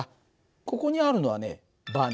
ここにあるのはねバナナ。